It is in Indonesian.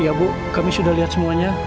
ya bu kami sudah lihat semuanya